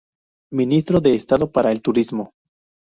Ministro de Estado para el Turismo.